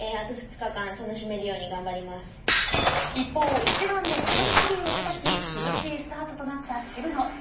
一方、１番でダブルボギーをたたき苦しいスタートとなった渋野。